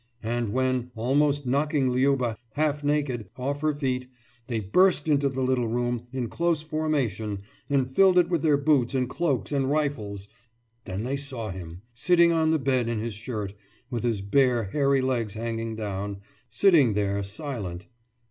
And when, almost knocking Liuba, half naked, off her feet, they burst into the little room in close formation and filled it with their boots and cloaks and rifles then they saw him sitting on the bed in his shirt, with his bare hairy legs hanging down sitting there silent.